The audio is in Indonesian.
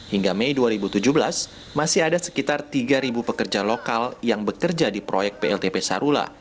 hingga mei dua ribu tujuh belas masih ada sekitar tiga pekerja lokal yang bekerja di proyek pltp sarula